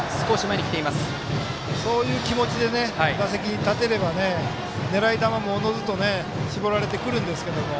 そういう気持ちで打席に立てれば狙い球もおのずと絞られてくるんですけど。